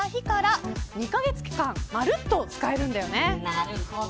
なるほど。